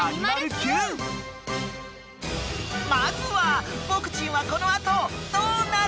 ［まずは］